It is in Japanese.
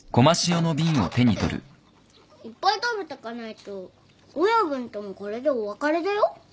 だっていっぱい食べとかないと親分ともこれでお別れだよ。